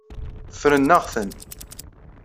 Ffren-aɣ-ten.